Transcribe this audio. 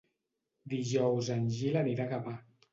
Dijous en Gil anirà a Gavà.